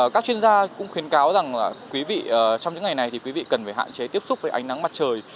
các chuyên gia cũng khuyến cáo rằng là quý vị trong những ngày này thì quý vị cần phải hạn chế tiếp xúc với ánh nắng mặt trời